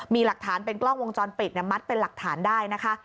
มีหลักฐานเป็นกล้องวงจรปิดมัดเป็นหลักฐานได้นะคะ